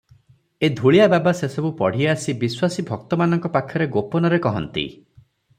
ଏ ଧୂଳିଆ ବାବା ସେ ସବୁ ପଢ଼ି ଆସି ବିଶ୍ୱାସୀ ଭକ୍ତମାନଙ୍କ ପାଖରେ ଗୋପନରେ କହନ୍ତି ।